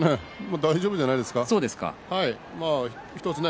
大丈夫じゃないですかね。